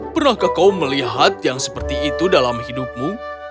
pernahkah kau melihat yang seperti itu dalam hidupmu